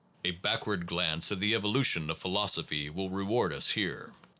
A backward glance at the evolution of phi losophy will reward us here.